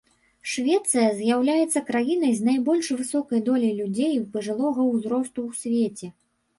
Швецыя з'яўляецца краінай з найбольш высокай доляй людзей пажылога ўзросту ў свеце.